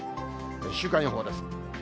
週間予報です。